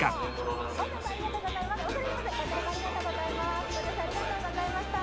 ご乗車ありがとうございました。